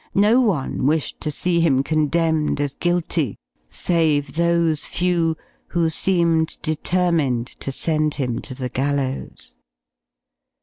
No one wished to see him condemned as guilty save those few who seemed determined to send him to the gallows.